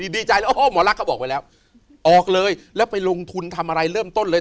ดีใจแล้วอ๋อหมอลักษ์เขาบอกไว้แล้วออกเลยแล้วไปลงทุนทำอะไรเริ่มต้นเลย